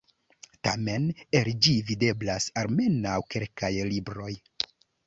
Tamen el ĝi videblas almenaŭ kelkaj libroj.